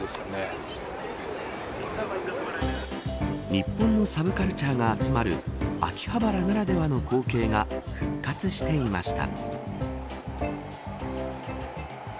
日本のサブカルチャーが集まる秋葉原ならではの光景が復活していました。